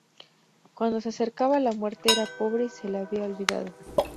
Cuando se acercaba a la muerte, era pobre y se le había olvidado.